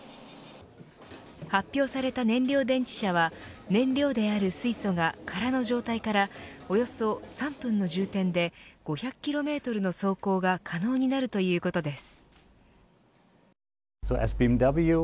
発表された燃料電池車は燃料である水素が空の状態からおよそ３分の充填で５００キロメートルの走行が可能になるということです。